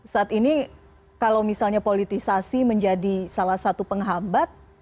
saat ini kalau misalnya politisasi menjadi salah satu penghambat